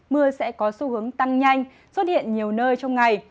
mưa sẽ có xu hướng tăng nhanh xuất hiện nhiều nơi trong ngày